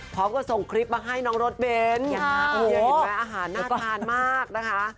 พร้อมกับส่งคลิปมาให้น้องรถเบนท์เห็นไหมอาหารน่าทานมากนะคะ